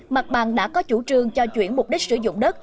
mặt bằng đã có chủ trương cho chuyển mục đích sử dụng đất